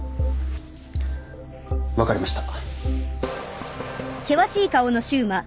わかりました。